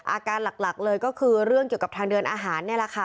อาการหลักเลยก็คือเรื่องเกี่ยวกับทางเดินอาหารนี่แหละค่ะ